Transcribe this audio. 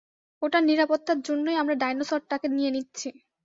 ওটার নিরাপত্তার জন্যই আমরা ডাইনোসরটাকে নিয়ে নিচ্ছি।